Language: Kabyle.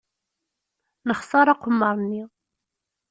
Nexṣer aqemmer-nni.